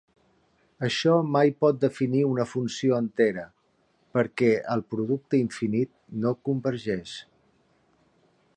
Això mai pot definir una funció entera, perquè el producte infinit no convergeix.